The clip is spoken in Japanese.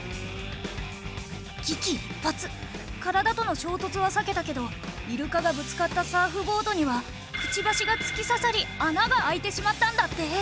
危機一髪体との衝突は避けたけどイルカがぶつかったサーフボードにはくちばしが突き刺さり穴が開いてしまったんだって。